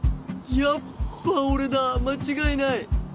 やっぱ俺だ間違いない！